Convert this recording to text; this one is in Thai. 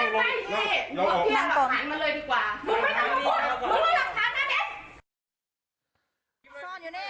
ไม่ต้องสงที